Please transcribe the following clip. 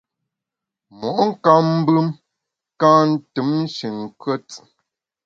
Mo’ nkam mbem ka ntùm nshin nkùet.